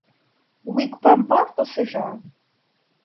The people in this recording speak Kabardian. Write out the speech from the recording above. Уи гу бэмпӀар тӀысыжа?